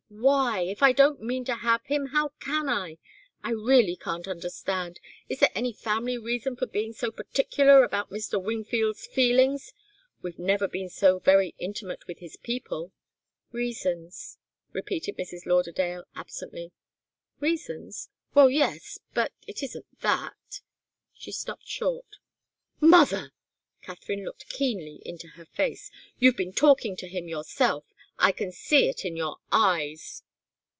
why? If I don't mean to have him, how can I? I really can't understand. Is there any family reason for being so particular about Mr. Wingfield's feelings? We've never been so very intimate with his people." "Reasons," repeated Mrs. Lauderdale, absently. "Reasons? Well, yes but it isn't that " She stopped short. "Mother!" Katharine looked keenly into her face. "You've been talking to him yourself! I can see it in your eyes!"